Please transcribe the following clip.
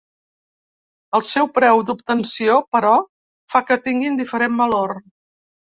El seu preu d'obtenció, però, fa que tinguin diferent valor.